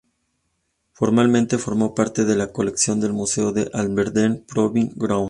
Formalmente formó parte de la colección del Museo de Aberdeen Proving Ground.